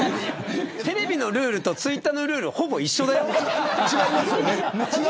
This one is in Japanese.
テレビのルールとツイッターのルールはほぼ一緒だよ。